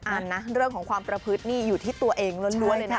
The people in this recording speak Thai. อันนะเรื่องของความประพฤตินี่อยู่ที่ตัวเองล้วนเลยนะ